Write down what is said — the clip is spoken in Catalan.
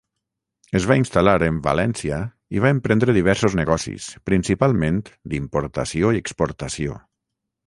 Es va instal·lar en València i va emprendre diversos negocis, principalment d'importació i exportació.